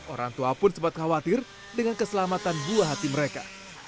orang tua pun sempat khawatir dengan keselamatan buah hati mereka